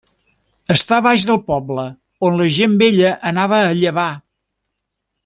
Està baix del poble on la gent vella anava a llavar.